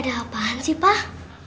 ada apaan sih pak